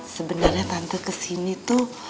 sebenarnya tante kesini tuh